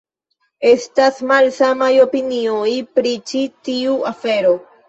Estas malsamaj opinioj pri ĉi tiu afero.